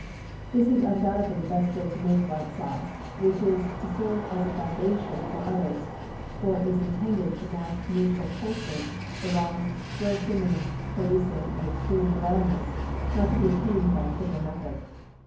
This is undoubtedly the best way to make white sauce, which is to serve as a foundation for others, or is intended to mask meat or poultry, the long, slow simmering producing an extreme blandness not to be attained by a quicker method.